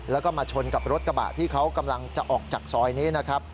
แล้วก็มาชนกับรถกระบะที่เขากำลังจะออกจากซอยนี้นะครับ